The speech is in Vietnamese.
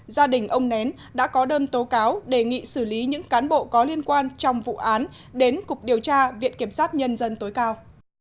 gia đình ông nén đã có đơn tố cáo đề nghị xử lý những cán bộ có liên quan trong vụ án đến cục điều tra viện kiểm sát nhân dân tối cao